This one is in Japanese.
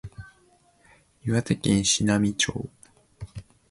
岩手県紫波町